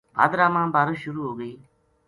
بھادرا ما بارش شروع ہو گئی